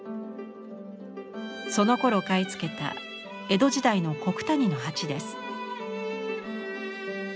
そのころ買い付けた江戸時代の古九谷の鉢です。